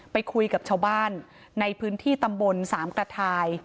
ไปคุยกับชาวบ้านในพื้นที่ตำบลสามกระทาย